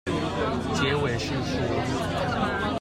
結尾是說